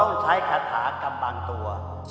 ต้องใช้คาถากำบังตัว